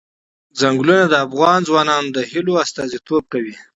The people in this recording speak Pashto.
چنګلونه د افغان ځوانانو د هیلو استازیتوب کوي.